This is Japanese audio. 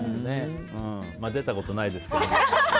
まあ、出たことないですけどね。